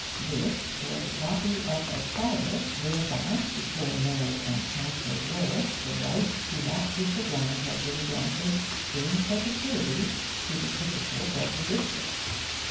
This was a copy of a charter whereby, before mayors and councillors were, the right to that piece of land had been granted in perpetuity to the fisherfolk of the district.